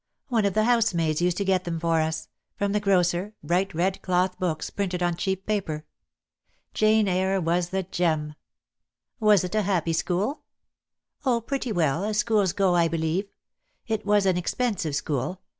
One of the housemaids used to get them for us — from the grocer, bright red cloth books, printed on cheap paper. 'Jane Eyre' was the gem." "Was it a happy school?" "Oh, pretty well, as schools go, I believe. It was an expensive school.